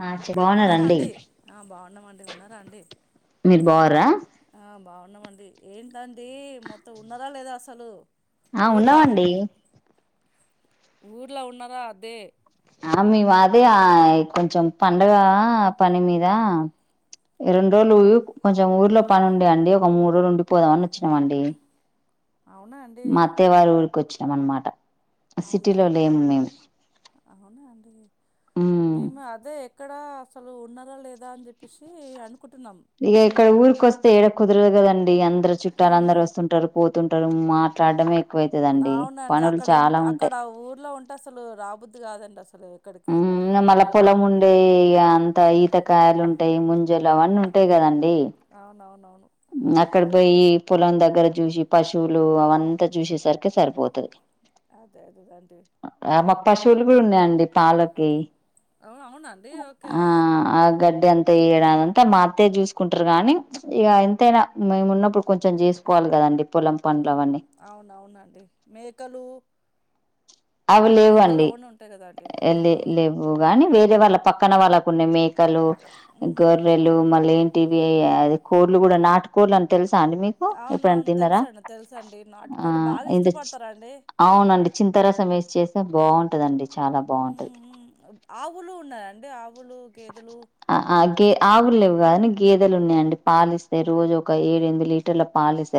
ఆ చె ఉన్నారా బాగున్నారండి అండి ఆ బాగున్నామండి ఉన్నారా అండి మీరు బాగుర్రా ఆ బాగున్నామండి ఏంటండి మొత్తం ఉన్నారా లేదా అసలు ఆ ఊర్లా ఉన్నావండి ఊర్లో ఉన్నారా అదే ఆ మీమాదే ఆ ఈ కొంచెం, పండగ పని మీదా. ప్చ్ ఇగ్ రెండు రోజులు కొంచెం ఊర్లో పని ఉండే అండి. ఒక మూడ్రోలు ఉండిపోదామని వచ్చినామండి. అవునా అండి మా అత్తయ్య వార్ ఊరికొచ్చాం అనమాట. సి. అవునా టీలో అండి లేం మేము అవునా అండి. మ్మ్ మేము అదే క్కడ అసలు ఉన్నదా లేదా అని చెప్పేసి. అను ఇగా ఇక్కడ ఊరికి వస్తే, ఏడ కుదరదు కదండి. అందరుూ చుట్టాలు అందరుూ ఉమ్ వస్తుంటారు, పోతుంట్ టారు, మాట్లాడ్మే అవునండి. అక్కడ ఉంటే అక్కడ ఊర్లో ఉంటే అసలు రాబుద్ది కాదండ్ ఉమ్ ఇగ మల్ల పొలముండే ఇగ అంత ఈత కాయలు ఉంటాయ్, ముంజలు అవన్నీ ఉంటాయి కదండి. అవునవునవున్ ఉమ్ అక్కడ పోయి, పొలం దగ్గర చూసి, పశువులు అవంతా చూసేసరికే సరిపోతది. అదే అదేదండి ఆ మాక్ పశువులు గూడా ఉన్నాయండి. పాలకి అవునవునా అండి ఓకే టే అంత ఇయడాంతా మా అత్తయ్య చూసుకుంట్రు గానీ. ప్చ్ ఇగా ఎంతైనా మేము ఉన్నప్పుడు కొంచెం చేసుకోవాలి కదండి పొలం పనులు అవన్నీ అవునవునండి మేకలు, అవి లేవు మేకలు అండి. అవన్నీ ఉంటాయి కదా అండి ఆ కానీ లే లేవ్వు గాని వేరే వాళ్ళ, పక్కన వాళ్ళకు ఉన్నాయి. మేకలు, మళ్ళీ ఏంటిది గొర్రెలు మళ్ లేంటివి అది కోళ్లు గూడా, నాటు కోళ్లు అని తెల్స్ అవునవును తెలుసండి, తెలుసండి, ఆ నాటుకోడి బాగా ఇంత ఇష్టపడతారాండి. అవునండి చింతారసం వేసి చేస్తే బావుంటదండి. ఉమ్ ఉమ్ ఆవులు ఉన్నాయాండి. ఆవులు, గేదలు ఆ ఆ గే ఆవులు లేవు గాని, గేదెలు ఉన్నాయండి. పాలిస్తై రోజు ఒక ఏడ్, ఎన్మిది లీటర్ల పాలిస్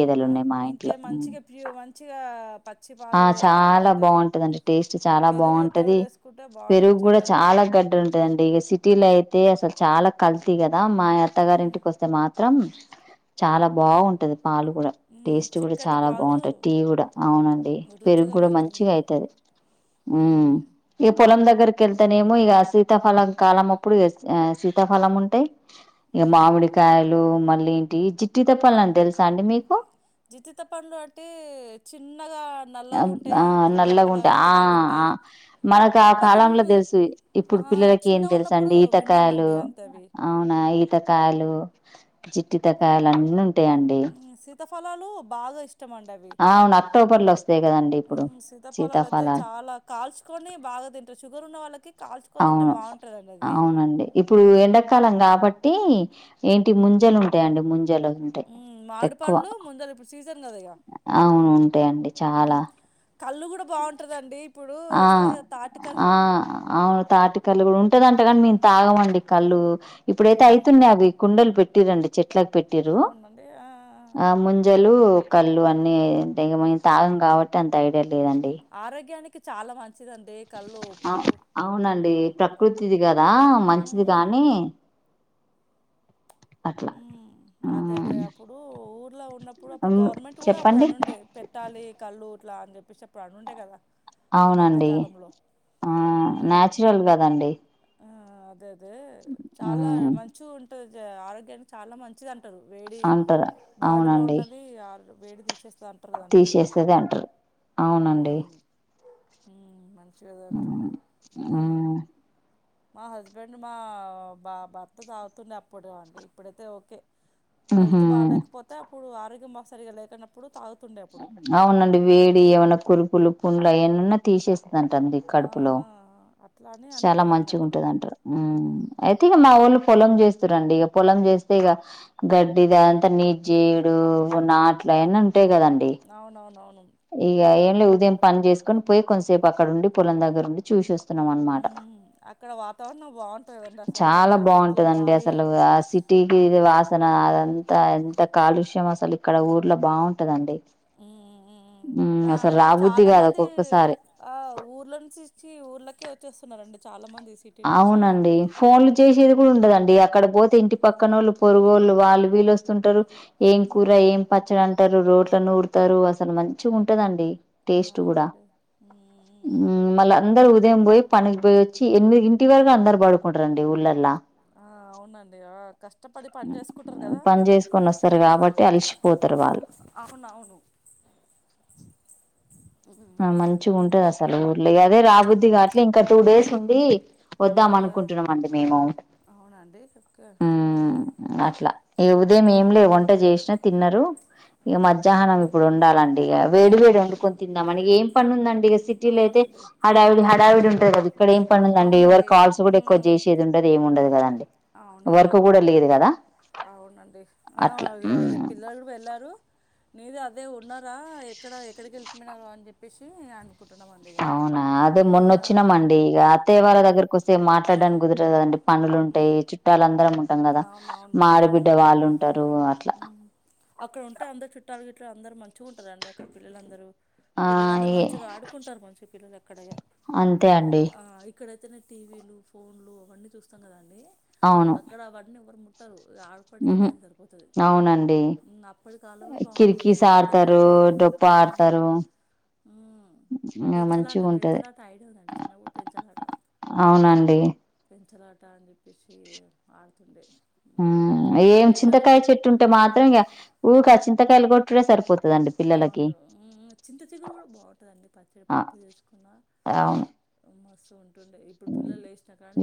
అవునా ఇంకేం మంచిగా ప్యూ, మంచిగా ప ఆ చాలా బావుంటదిండి. టేస్ట్ చాలా పెరుగు బావుంటది తోడేసుకుంటే బాగా మంచిగా పెరుగూడా చాలా గట్ హ్మ్. టిగుంటదాండి, ఇగ సి. టీ లా యితే అసలు చాలా కల్తీ గాదా. మా అత్తగారి హ్మ్. ఇంటికి వస్తే మాత్రం. చాలా బావుంటది. పాలు కూడా, హ్మ్. టేస్ట్ గూడా చిక్కటి చాలా పాలు బావుంటది. టీ కూడా అవునండ్ రుచిగా పెరుగూడా మంచిగా మంచిగుంటాయి. అయితది. ఉమ్ హ్మ్. ఇగ పొలం దగ్గరకేళ్తానేమో ఇగ ఆ సి సీతాఫలం కాలం అప్పుడు, ఇగ సీతాఫలం ఉంటాయ్. ఇగా ఉమ్. మామిడికాయలు మళ్ళీ ఏంటి జీతితపళ్ళంటే తెలుసా అండి మీకు? జితిత పంళ్ళు అంటే చిన్ ఆమ్ ఆ నల్లగా ఉంటాయి. ఆ విత్తనాలు ఆ ఉంటాయి మనకు ఆ అప్పటి కాలంలో మ్ తెలుసు ఈ ఆ ఇప్పుడు పిల్లలకి ఏం చిన్నగా తెలుస ఉన్నప్పుడు అండి. ఈతకాయలు విన్నామండి అంతే అవి అవునా ఈ ఈతకాయలు, జిట్టితకాయలు అన్ని ఉంటాయిండి. ఫలాలు బాగా ఇష్ ఆవును అక్టోబర్లో ఉ సీతాఫళాలు అయితే చాల కాల్చుకొని బాగా తింటారు షుగర్ ఉన్న వాళ్ళకి కాల్చుకొని తింటే అవును బాగుంటుందండి అది అవునండి. ఇప్పుడు ఎండాకాలం కాబట్టి ఏంటి ముంజలు ఉంటాయండి, ముంజలు ఉంటాయి ఉమ్ మామిడి ఎక్కువ పండ్లు ముందర ఇప్పుడు సీజన్ కదా ఇగ అవును ఉంటాయిండి. చాలా ఉమ్ కళ్ళు కూడా బావుంటదండి ఆ ఆ అవును తాటికల్లు కూడా ఉంటదంట. గాని మేం తాగమండి కళ్ళు. ఇప్పుడైతే ఉమ్ అయితునావి కుండలు పెట్టిరండి. చెట్ ట్లాక్ పెట్టిరు అవునండి ఆ ఆ ముంజలు కళ్ళు అన్ని అంటే ఇగ మేం తాగం కాబట్టి. అంత ఐడియా లే ఆరోగ్యానికి చాలా మంచిదండి. కళ్ళు ఆ ఉప్పుడు అవునండి ప్రకృతిది గా. మంచిది కానీ అట్ల అదె అదే అప్పుడు ఊర్లో ఉన్నప్పుడు ఆ అప్పుడు గవర్నమెంట్ కూడ అప్పుడు చెప్పండి అనిండే పెట్టాలి కళూ ఇట్లా అని చెప్పేసె అని ఉండే కదా ఆ అవునండి మధ్యకాలంలో ఆ ఉమ్ న్యాచురల్ కదండి ఆ అదే అదే చాల మ్ మంచిగ ఉంటుది ఆరోగ్యానికి చాలా మంచిది అ అంటరు వేడి అంటారు బాడులో ఉన్నది వేడి తీసేస్త తీసేస్తేది అంటరు అవునండి మ్ మంచిగ కద అంటున్నా మా హస్బెండ్ మా బా భర్త తాగుతుందె అప్పుడు అండి ఇప్పుడైతే ఓకే ఉహు హెల్త్ బాగలేకపోతే అప్పుడు ఆరోగ్యం బాగ సరిగా లేకుప్పుడు తాగు అవునండి వేడి ఏమన్న కురుపులు పండ్లు ఏమన్నా తీసేస్త ఉందంటండి ఆ! కడుపులో ఆ! ఆ! అట్లా అని చాల అంటుండే అండి మంచిగా అప్పుడు. ఉంటది అంటారు అ ఉమ్ యితే ఇక మా ఊళ్ళు పొలం చేస్తారంండి ఇక పొలం చేస్తే ఇగ గడ్డి ద అంతా నీజ్జీడు నాట్లు అయన్నిఉంటాయి కదా అవునవునవును ఇక ఏం లేవ్ ఉదయం పని చేసుకుొని పోయి కొద్ంతసేపు అక్కడ ఉండి పొలం దగ్గర ఉండి చూసి వస్త స్తున్నాము అనమాట మ్మ్ అక్కడ వాతావరణం బాగుంటది కదండి అసలు చాల మంచిగా చెట్ల బాగుంటదండి గాలి అసలు ఆ సిటీకి ఇది వాసన అంత ఎంత కాలుష్యం అసలు ఇక్కడ ఊర్లో బాగుంటదండి ఉ మ్మ్ ఆ అసలు ఇప్పుడు రాబుద్ది చాల కాదు మంది ఒక్కొక్కసారి ఆ ఊర్లో నుంచి వచ్చి ఊర్లకే వచ్చేస్తున్నారండి చాలా. మంది సిటీ నుంచి ఆవునండి ఫోన్లు చేసేది కూడా ఉండదండి అ అక్కడ పోతే ఇంటి పక్కన వాళ్ళు పొరుగుోళ్ళు వాళ్ళు వీళ్ళొస్తుంటరు ఏం ఉమ్ కూర ఏం పచ్చడ అంటరు రోట్లనూరుతారుఅసలు మంచిగా ఉంటదండి టేస్ట్ కూడ అవునండి ఉమ్ మళ్ళ అందరూ ఉదయం పోయి పనికి పోయి వచ్చి ఎనిమిది ఇంటి వరకు అందరు పాడుకుంటారండి ఊళ్లా ఆ అవునండి ఆ కష్టపడి పని చేసుకుంటారు కదా పన్ చేసుకొని వస్తారు కాబట్టి అల్సిపోతారు వాళ్ళు అవునవును లే అదే రాబుద్ది కాట్లే ఇంకా టూ డేస్ ఉండి వద్దాం అనుకుంటున్నామ అండి మేము ఆవునా అండి చక్క ఏ ఉదయం ఏం లే వంట చేసినా తిన్నారు ఇక మధ్యాహ్నం ఇప్పుడు వండాలండి ఇక వేడి వేడి వండుకొని తిందాం అని ఇగ ఏం పని ఉందండి సిటీలో అయితే అవునండి హడావిడి హడావిడి ఉంటది కదా ఇక్కడ ఏం పని ఉందండి ఎవరు అవునండి కాల్స్ కూడా ఎక్కువ ఉమ్, చేసేది ఉండది ఏమి ఉండదు కదండి అవునండి వర్క్ కూడ లేదు కదా అవునండి అ అట్లా అదుగు అదే ఉమ్ పిల్లలు వెళ్ళారు నేదె అదే ఉన్నరా ఎక్కడ ఎక్కడికి వెళ్తింగ అని చెప్పేసి అనుకున్నాను అవున అదే మొన్న వచ్చినామండి ఇక ఆ, అత్తయ్య వాళ్ళ దగ్గరకి వస్తే మాట్లాడడానికి కుదరదు కదండి పనులు ఉమ్, ఉంటాయి చుట్టాలు అందరం ఉంటాం కదా అవునవును మా ఆడబిడ్డ ఉమ్, వాళ్ళుంటారు అట్లా ఉమ్. అక్కడ ఉంటే అందరు చుట్టాలు గిట్లు అందరు మంచిగా ఉంటారండి అక్కడ పిల్లలందరూ ఆ పిల్లలందరూ ఏ మంచిగా ఆడుకుంటారు మంచి పిల్లలక్కడె అంతే అండి ఆ ఇక్కడైతేనే టీవీలు ఫోన్లు అవన్నీ చూస్తాం కదా అండీ అవును అక్కడ అవన్నీ ఎవ్వరు ముట్టరు ఇగ ఆడకోనికే ఉహు టైం సరిపోతుంది అవునండి అప్పటి కాలమే బాగుంటుండే అండి ఇప్పటికంటే ఉప్ప ఆడతారు అ ఇంగ పెంచలాట మంచిగా ఉంటది పెంచలాట ఐడి ఉందండి చిన్నప్పుడు పెంచలాట అవునండి పచ్చలాట అని చెప్పేసి ఆడుతుండే ఉహు. అ ఇప్పుడు ఏం పిల్లలు చింతకాయ చెట్టు ఉంటే మాత్రం ఇంక ఊక చింతకాయలు కొట్టుడే సరిపోతు అవును చింత చిగురు కూడ బాగుంటందండి పచ్చడి ఆ పప్పు చేసుకున్న అవును ఇవ్మస్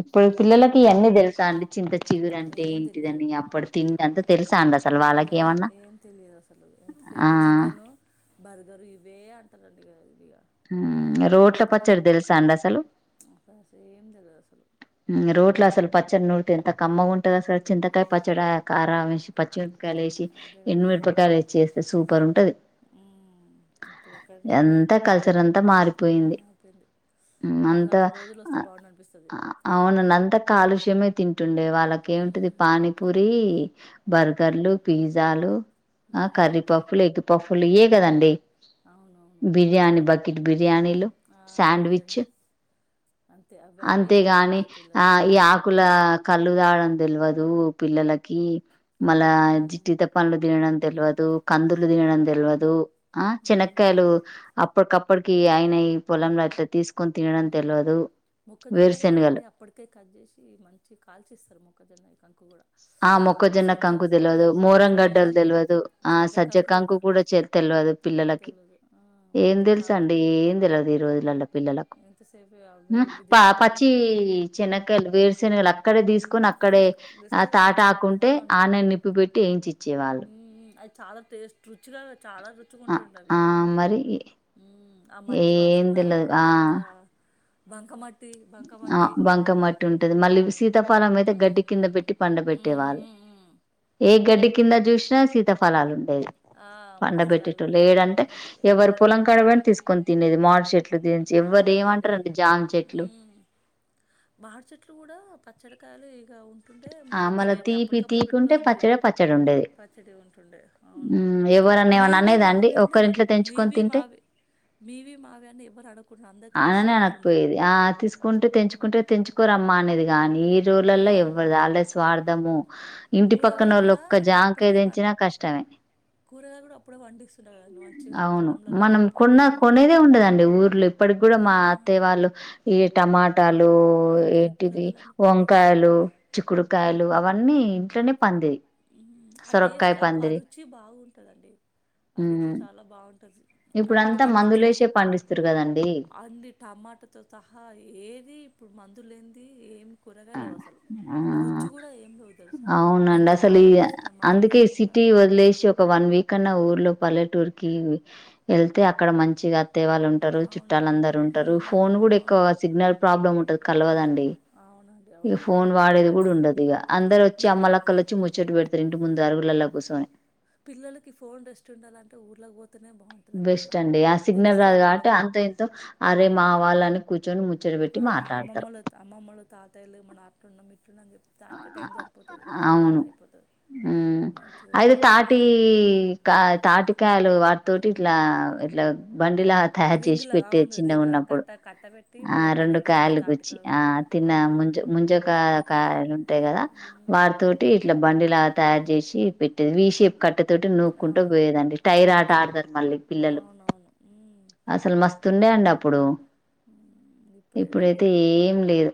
ఇప్పుడు ఫోను పిల్లలకి ఫోను ఇవన్నీ తెలుసా అండి చింత చిగురు అంటే ఏం తెలియదు ఏంటిదని అ ప్పుడు తింది అంత తెలుస అంద ఏం ఏం తెలియదు అసలు ఆ ఎంతసేపు చికెను, బర్ తరు ఇవే అంటారండి ఇగ రోడ్ల పచ్చడి తెలుసా అండి అసలు అసలు అసలు ఏం తెలియదు అసలు రోడ్ల అసలు పచ్చడి నూడిత ఎంత కమ్మ ఉంటది అసలు చింతకాయ మ్మ్. పచ్చడా కార పచ్చడి కాయలు వేసి అదే ఎండు కదండి మిరపకాయలు ఏసీ చేస్తే సూపర్ ఉంటది మ్మ్. ఇప్పుడు ఎక్కడ ఎంత కల్చర్ అంతా మారిపోయింది అయిపోయింది మళ్ళీ అంతా అప్పటి రోజులు వస్తే బాగుండు అనిపిస్తుంది అవునండి అంతా కాలుష్యమే తింటుండే వాళ వాళకే ఉంటది మ్మ్. పానీపూరి బర్గర్లు పిజ్జాలు ఆ మ్మ్. అంతే కర్రీపప్పులు ఎగ్ పప్పులు ఏ కదండి అవునవును బిర్యానీ మ్మ్. బకెట్ బిర్యానీలు ఆ శాండ్విచ్ బిర్యానీ అంతే అవి అవే అంతేగాని ఇష్టపడతారు ఆ పిల్లలుగా ఈ ఆకుల కళ్ళు తాగడం తెలవదు పిల్లలకి మళ్ళా మ్మ్. జిట్టిత పన్లు తినడం తెలవదు కందులు తినడం తెలవదు ఆ మ్మ్. చెనకాయలు అప్పుడు కప్ ఇప్పటికి ఆయన ఈ పొలంలో అట్లా తీసుకొని తినడం మ్మ్. తెలవదు మొక్కజొన్న కూడా అంటే అప్పటికే కట్ చేసి మంచి కాల్చిస్తారు మొక్కజొన్న ఈ కంకు కూడా ఆ మొక్కజొన్న సజ్జ కంకు సజ్జ తెలియదు కూడా మోరం సజ్జ గడ్డలు కంకు తెలియదు ఆ సజ్జ కంకు సజ్జకాంకు కూడా తెలవదు పిల్లలకి తెలీదు ఆ, ఏం మంచిగా తెలుస అండి కాల్చుకో ఏం తెలియదు ఈ రోజులలో పిల్ ఎంతసేపు అవే హు ఇవి తింటాం పచ్చి ఇవి చెనక వేరు శెనగలు అక్కడే తీసుకొని అక్కడే తీసుకు ఆ తెస్తే మంచి తాటాకుంటే అవును ఆన్న నిప్పు పెట్టి ఏయించి ఇచ్చేవాళ్ళు మ్మ్, అది చాలా టేస్ట్ రుచిగా చాలా రుచిగా ఆ ఉంటుండ అవి ఆ మరి ఉ ఆ మట్టి ఏం వాసన తెల్వదు ఆ అంతా బంక మట్ ఆ బంకమట్టి ఉంటది మళ్ళీ సీతాఫలం అయితే గడ్డి కింద పెట్టి పండ మ్మ్, పెట్టేవాళ్ళు మ్మ్, మ్మ్. ఏ గడ్డి కింద చూసినా శీత ఫలాలు ఆ, పండ మస్తు పెట్టేట్టు అవి లేడంటే ఎవరు మరి, పొలం కాడ పని తీసుకొని తినేది మాడి చెట్ చెట్లు ద ఎవ్వరు ఏమంటారండి జామి చెట్లు మాడ చెట్లు కూడా పచ్చడికాయలు ఇంకా ఉంటుండే ఆ మరి మళ్ళ తినేవి తీపి అప్పటికప్పుడు తీపి ఉంటే పెట్టుకొని ఉంటుడు పచ్చడే పచ్చడి ఉండేది పచ్చడి ఉంటుండే అవును హ్మ్. ఎవరన్నా ఏమన్నా మీవి అనేదా అండి మావి అన్నాను ఒక్కరింట్లో తెంచుకొని మీవి తింటే మావి మీవి మావ అని ఎవరు రాడు అననే అనకపోయేది ఆ తీసుకుంటే తెంచుకుంటే తెంచుకోరమ్మా అనేది కానీ ఊర్లలో మ్మ్ ఎవ్వరి వాల్దే స్వార్థము ఇంటి పక్కన కూరగాయలు వాళ్ళ కూడా ఒక్క జాంకాయ అప్పటికే పం తెంచినా కష్టమే కూరగాయలు కూడా అప్పుడే పండిస్తుంటారు కదండీ మంచిగా అవును. పొలంలోలానే మనం పండిస్తుంటాడి అక్కడికి కూడా మా అతే వాళ్ళు ఈ టమాటాలు అదే ఏంటివి కూరగాయలన్నీ పండిస్తారు వంకాయలు కదా చిక్కుడుకాయలు అవన్నీ ఇంట్లోనే పండేయి. ఆ సొరకాయ టేస్ట్ ఆకు అ పందిరి. రుచి బాగుంటదండి అ రుచి చాలా బాగుంటది ఇప్పుడు అంతా మందులు వేసే పండిస్తురు కదా అం టమాటాతో తహా ఏది ఇప్పుడు మ తులంది ఏం కూరగాయలు అసలు ఆ అదొచ్చి కూడా ఏం లేవు తెలుసా అవునండి అసలు కారం వేసినా మసాలా అందుకే వేసినా కూడా సిటీ వదిలేసి ఒక వన్ వీక్ అన్నా ఊర్లో పల్లెటూర్కిి వెళ్తే అక్కడ మంచిగా పత్తే వాళ్ళు ఉంటారు అవును చుట్టాలందరుూ ఉంటారు ఉహు ఫోన్ కూడా అవును ఎక్కువ సిగ్నల్ ప్రాబ్లం ఉంటది కలవదండి అవున ఇక ఫోన్ వాడేది కూడా ఉండదు ఇక అందరు వచ్చి నిజ అమ్మలక్కలు వచ్చి ముచ్చట్టు పెడుతిరి ఇంటి ముంద అరుగులల్లా కుసోని పిల్లలకి ఫోన్ రెస్ట్ ఉండాలంటే ఊర్లకి పో బెస్ట్ అండి ఆ సిగ్నల్ రాదు కాబట్టి వాళ్ళకు కూడా అంత ఇంతో అరే మా వాళ్ళని కూర్చొని ముచ్చట్ ఆ అమ్మమ్మలు అమ్మమ్మలు తాతయ్యలు మన అట్లున్నాం ఉంటుందని చెప్తా దానికి టైం సరిపోతది సమయం అవును సగిపోతుంది మంచిగా ఉంటుదండి టి కా తాటికాయలు వాట్తోటి ఇట్లా ఇట్లా బండిలా తయారు చేసి రింగుల పెట్టే అవును చిన్నగా రింగ్ ఉన్నప్పుడు కట్ట కట్ట పెట్టి ఆ రెండు కాయలు తాటి కూచ్చి ఆ కాబట్టి కట్ట తిన్నా ఆ ముంజ్ కా ముంజ్ కా ఆడుకుంటారు ఉంటాయి కదా ఉమ్, వాటితోటీ ఇట్లా బండిలా తయారు చేసి పెట్టేది వి షేప్ కట్టి తోటి నూక్కుంటూ అవును పోయ్యేదండి టైర్ ఆట మంచిగా ఆడతారు మళ్ళీ పిల్లలు అవునవును ఉమ్, అసలు మస్తు తుండే అండి అప్పుడు ఉమ్, ఇప్పుడైతే ఏం లేదు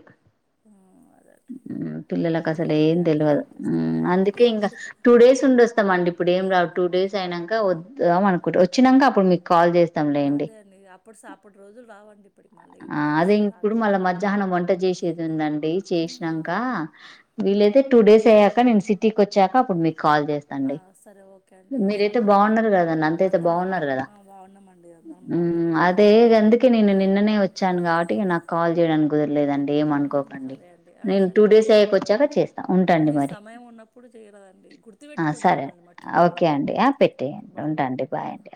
హా అదే పిల్లలకు అసలు ఏం తెలియదు అందుకే ఇక ఇంకా అప్పటికి టూ డేస్ ఉండి వస్తాం అండి ఇప్పుడు ఏం రావు టూ డేస్ అయినాక వద్దాం అనుకుంట వచ్చినాక అప్పుడు మీకు కాల్ చేస్త అదే అండి అప్పుడు అప్పటి రోజులు రావండి ఇప్పుడు మళ్ళీ ఆ అదే ఏడుస్తాయి రావు ఇప్పుడు ఇక మళ్ళా అప్పుడు రోజులుగా మధ్యాహ్నం వంట చేసేది ఉందండి ఉమ్, చేస్నంక ఉమ్. లేద టూ డేస్ అయ్యాక నేను సిటీకి వచ్చాక అప్పుడు కాల్ ఆ, చేస్తాఅండి సరే ఓకే అండి మీరయితే సరే అండి బాగున్నారు కదన్న అంత అయితే అంతా మంచి బాగున్నారు కదా ఆ, బాగున్నామండి అందరం బాగున్నాం హ్మ్ అదే అందుకే నేను నిన్ననే వచ్చాను కాబట్టి నాకు కాల్ చేయడానికి కుదర్ లేదండి ఉమ్, ఏమనుకోకండి సరే అండి ఆ, నేను సరే టూ అండి డేస్ అయక వచ్చాక చేస్తా ఉంటండి మీ మరి సమయం ఉన్నప్పుడు చేయరాదండి ఆ గుర్తుపెట్టుకోండి సరే మమ్మల్ని అండి ఓకే మర్చిపోకండి అండి ఆ పెట్టడి ఓకే బాయ్ ఉంటా అండి బాయ్ అండి